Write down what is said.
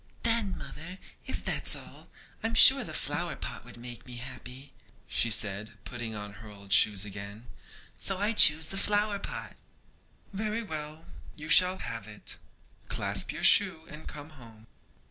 'Then, mother, if that's all, I'm sure the flower pot would make me happy,' said she, putting on her old shoe again; 'so I choose the flower pot.' 'Very well, you shall have it. Clasp your shoe, and come home.'